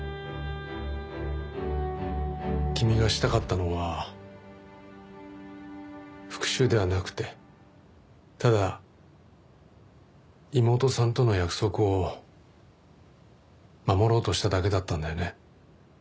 君がしたかったのは復讐ではなくてただ妹さんとの約束を守ろうとしただけだったんだよね。